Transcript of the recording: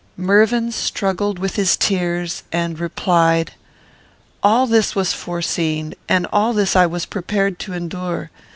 Mervyn struggled with his tears, and replied, "All this was foreseen, and all this I was prepared to endure.